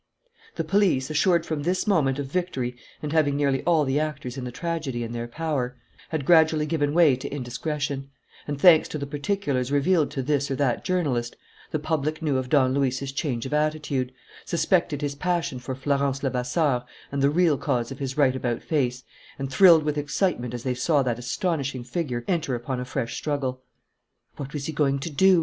The police, assured from this moment of victory and having nearly all the actors in the tragedy in their power, had gradually given way to indiscretion; and, thanks to the particulars revealed to this or that journalist, the public knew of Don Luis's change of attitude, suspected his passion for Florence Levasseur and the real cause of his right about face, and thrilled with excitement as they saw that astonishing figure enter upon a fresh struggle. What was he going to do?